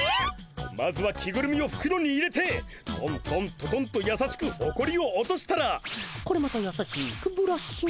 まずは着ぐるみをふくろに入れてトントントトンとやさしくほこりを落としたらこれまたやさしくブラッシングだ。